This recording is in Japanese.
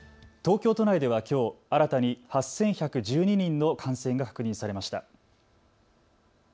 東京都内ではきょう、新たに８１１２人の感染が確認されました。